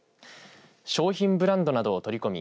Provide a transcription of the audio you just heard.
商品ブランドなどを取り込み